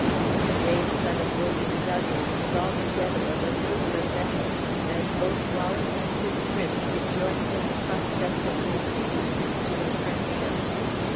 The brave son of William Douglas was altogether of a nobler mettle, and both Wallace and his prince rejoiced at the prospect of receiving him to their friendship.